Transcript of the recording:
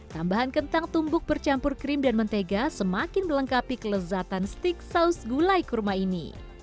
tambahan kentang tumbuk bercampur krim dan mentega semakin melengkapi kelezatan steak saus gulai kurma ini